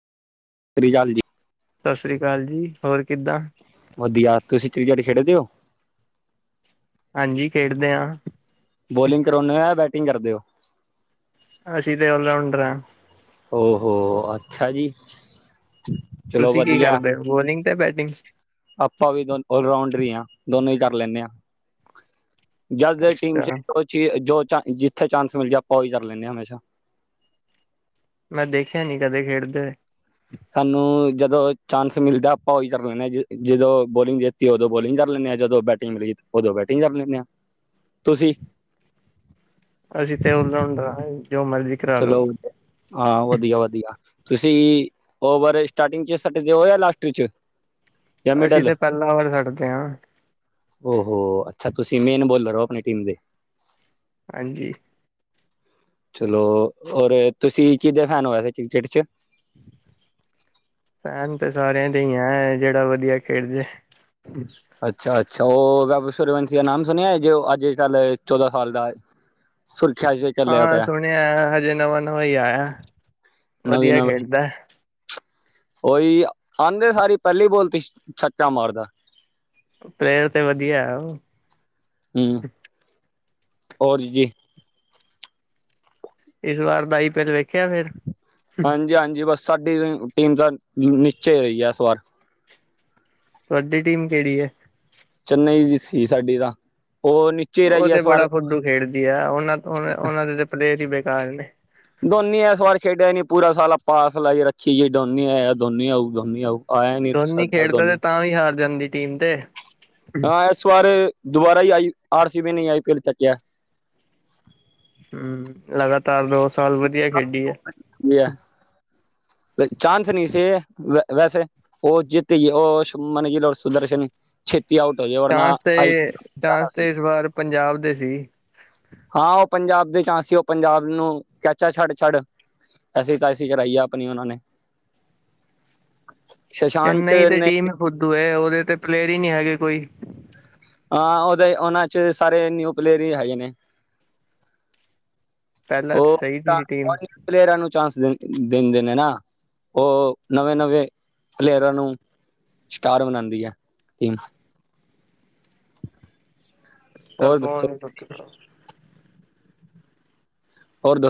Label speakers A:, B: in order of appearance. A: ਸ੍ਰੀ ਗਾਲ ਜੀ।
B: ਸਾਸਰੀ ਕਾਲ ਜੀ। ਹੋਰ ਕਿੱਦਾਂ?
A: ਵਧੀਆ। ਤੁਸੀਂ ਕ੍ਰਿਕੇਟ ਖੇਡੇਦੇ ਓ?
B: ਹਾਂਜੀ, ਖੇਡਦੇ ਆ।
A: ਬੋਲਿੰਗ ਕਰਾਉਂਨੇ ਓ ਜਾਂ ਬੈਟਿੰਗ ਕਰਦੇ ਓ?
B: ਅਸੀਂ ਤੇ ਔਲਰਾਊਂਡਰ ਆ।
A: ਓ ਹੋੋ ਅੱਛਾ ਜੀ। ਚਲੋ
B: ਤੁਸੀਂ ਕੀ
A: ਵਧੀਆ
B: ਕਰਦੇ ਓ, ਬੋਲਿੰਗ ਤੇ ਬੈਟਿੰਗ?
A: ਆਪਾਂ ਵੀ ਦੋਨ, ਔਲਰਾਊਂਡਰ ਈ ਆ। ਦੋਨੋਂ ਈ ਕਰ ਲੈਂਨੇ ਆ। ਜਦ ਇਹ ਟੀਮ 'ਚ
B: ਅੱਛਾ
A: ਜੋ ਚੀ, ਜੋ ਚਾ, ਜਿੱਥੇ ਚਾਂਸ ਮਿਲਜੇ ਆਪਾਂ ਉਹੀ ਕਰ ਲੈਂਨੇ ਆ, ਹਮੇਸ਼ਾ।
B: ਮੈਂ ਦੇਖਿਆ ਨੀ ਕਦੇ, ਖੇਡਦੇ ਹੋਏ।
A: ਸਾਨੂੰ ਜਦੋਂ ਚਾਂਸ ਮਿਲਦਾ ਆਪਾਂ ਉਹੀ ਕਰ ਲੈਂਨੇ ਆ। ਜਦੋਂ ਬੋਲਿੰਗ ਦੇਤੀ, ਉਦੋਂ ਬੋਲਿੰਗ ਕਰ ਲੈਂਨੇ ਆ। ਜਦੋਂ ਬੈਟ ਬੈਟਿੰਗ ਮਿਲਗੀ ਤੇ ਉਦੋਂ ਬੈਟਿੰਗ ਕਰ ਲੈਂਨੇ ਆ। ਤੁਸੀਂ
B: ਅਸੀਂ ਤੇ ਔਲਰਾਊਂਡਰ ਆ, ਜੋ ਮਰਜ਼ੀ ਕਰਾ ਲੋ
A: ਚਲੋ, ਹਾਂ ਵਧੀਆ-ਵਧੀਆ। ਤੁਸੀਂ ਓਵਰ ਸਟਾਟਿੰਗ 'ਚ ਸਟਦੇ ਓ ਜਾਂ ਲਾਸਟ ਵਿੱਚ।
B: ਅਸੀਂ ਤਾਂ ਪਹਿਲਾਂ ਵਾਰ ਛਡਦੇ ਹਾਂ।
A: ਓਹੋ ਅੱਛਾ ਤੁਸੀਂ ਮੇਨ ਬੋਲਰ ਹੋ ਆਪਣੀ ਟੀਮ ਦੇ।
B: ਹਾਂਜੀ।
A: ਚਲੋ ਔਰ ਤੁਸੀਂ ਕਿਦੇ ਫੈਨ ਹੋ ਏ ਸੀੇ ਕ੍ਰਿਕਟ ਚ?
B: ਫੈਨ ਤੇ ਸਾਰਿਆਂ ਦੇ ਹੀ ਹਾਂ, ਜਿਹੜਾ ਵਧੀਆ ਖੇਡ ਜੇ ਹੈ।
A: ਅੱਛਾ- ਅੱਛਾ ਉਹ ਸੁਰਵੰਸ਼ ਦਾ ਨਾਮ ਸੁਣਿਆ ਜੇ, ਅੱਜ ਕੱਲ੍ਹ ਚੌਦਾਂ ਸਾਲ ਦਾ ਏ। ਸੁਰਖਿਆ [unintelligible]
B: ਹਾਂ ਸੁਣਿਆ, ਹਜੇ ਨਵਾਂ- ਨਵਾਂ ਹੀ ਆਇਆ,
A: ਨਵੀਂ
B: ਵਧੀਆ
A: ਨਵੀਂ
B: ਖੇਡਦਾ।
A: ਉਹੀ ਆਂਦੇ ਸਾਰੀ ਪਹਿਲੀ ਬੋਲਤੀ ਛੱਚਾ ਮਾਰਦਾ।
B: ਪਲੇਅਰ ਤੇ ਵਧੀਆ ਉਹ।
A: ਹਮ, ਹੋਰ ਜੀ
B: ਇਸ ਵਾਰ ਦਾ ਹੀ ਫਿਰ ਵੇਖ
A: ਹਾਂਜੀ -ਹਾਂਜੀ ਬਸ ਸਾਡੀ ਟੀਮ ਤਾਂ ਨਿਚੇ ਰਹੀ ਹੈ ਇਸ ਵਾਰ।
B: ਤੁਹਾਡੀ ਟੀਮ ਕਿਹੜੀ ਹੈ?
A: ਚੰਨਈ ਦੀ ਸੀ ਸਾਡੀ ਤਾਂ, ਉਹ ਨੀ
B: ਉਹ ਤੇ ਬੜਾ ਫੁਡੂ ਖੇਡਦੀ ਆ, ਉਹਨਾਂ ਉਹ ਉਹਨਾਂ ਦੇ ਤੇ ਪਲੇਅਰ ਹੀ ਬੇਕਾਰ ਨੇ।
A: ਦੋਨੀ ਇਸ ਵਾਰ ਖੇਡਿਆ ਨੀ, ਪੂਰਾ ਸਾਲਾ ਪਾਸ ਲ ਜੇ ਰੱਖੀ ਜੇ, ਦੋਨੀ ਆਇਆ ਦੋਨੀ ਆਊ- ਦੋਨੀ ਆਊ। ਆਇਆ ਨੀ
B: ਦੋਨੀ
A: ਸਾਡਾ
B: ਖੇਡਦਾ
A: ਧੋਨੀ
B: ਤੇ ਤਾਂ ਵੀ ਹਾਰ ਜਾਂਦੀ ਟੀਮ ਤੇ।
A: ਹਾਂ ਇਸ ਵਾਰ ਦੁਬਾਰਾ ਹੀ ਆਈ ਆਰ ਸੀ ਬੀ ਨੇ ਆਈ ਪੀ ਐਲ ਚੱਕਿਆ।
B: ਹਮ ਲਗਾਤਾਰ ਦੋ ਸਾਲ ਵਧੀਆ ਖੇਡੀ ਏ।
A: ਲਿਆ। ਚਾਂਸ ਨਹੀਂ ਸੀ। ਵੈਸੇ ਉਹ- [unintelligible] [unintelligible] ਓਹ ਜਿੱਤ ਉਹ ਮਨ ਗ ਲੋੋ ਸੁਦਰਸ਼ਸ਼ਨਨ ਛਟ ਆਊਟ ਹੋ ਜਾਓ ਵਰਨਾ
B: ਚਾਂਸ ਤੇ
A: ਆਈ ਪੀ ਕਹਿਣਾ
B: ਚਾਂਸ
A: ਸੀ।
B: ਤੇ ਇਸ ਵਾਰ ਪੰਜਾਬ ਦੇ ਸੀ
A: ਹਾਂ ਉਹ ਪੰਜਾਬ ਦੇ ਚਾਂ ਸੀ, ਉਹ ਪੰਜਾਬ ਨੂੰ ਚਾਚਾ ਛੱਡ ਛੱਡ। ਐਸੀੇ ਤਾਂ ਐਸੀ ਕਰਾਈ ਆ ਆਪਣੀ ਉਹਨਾਂ ਨੇ। ਸ਼ਸ਼ਾਂਕ ਨੇ
B: ਦੂਏ ਉਹਦੇ ਤੇ ਪਲੇਅਰ ਹੀ ਨਹੀਂ ਹੈਗੇ ਕੋਈ।
A: ਹਾਂ ਉਹਦੇ ਉਹਨਾਂ ਚ ਸਾਰੇ ਨਿਊ ਪਲੇਅਰ ਹੀ ਹੈਗੇ ਨੇ।
B: ਪਹਿਲਾਂ ਤਾਂ
A: ਉਹ
B: ਸਹੀ ਸੀ ਟੀਮ
A: ਪਲੇਅਰਾਂ ਨੂੰ ਚਾਂਸ ਦਿੰਦੇ ਨੇ ਨਾ। ਉਹ ਨਵੇਂ -ਨਵੇਂ ਪਲੇਅਰਾਂ ਨੂੰ ਸਟਾਰ ਬਨਾਉਂਦੀ ਹੈ ਟੀਮ।
B: ਕੱਲ
A: ਹੋਰ ਦੱਸੋ
B: ਫੋਨ ਗਤੀ।
A: ਹੋਰ ਦੱਸ?